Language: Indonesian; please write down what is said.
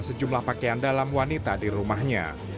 sejumlah pakaian dalam wanita di rumahnya